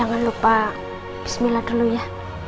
jangan lupa bismillah dulu ya